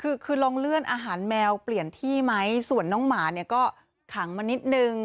คือคือลองเลื่อนอาหารแมวเปลี่ยนที่ไหมส่วนน้องหมาเนี่ยก็ขังมานิดนึง